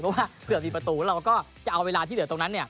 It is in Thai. เพราะว่าเกือบมีประตูเราก็จะเอาเวลาที่เหลือตรงนั้น